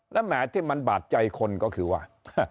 และแหมที่มันบาดใจคนก็คือว่า